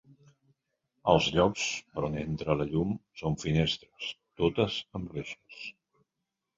Els llocs per on entra la llum són finestres, totes amb reixes.